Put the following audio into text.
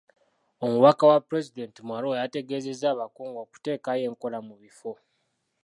Omubaka wa pulezidenti mu Arua yategeezezza abakungu okuteekayo enkola mu bifo.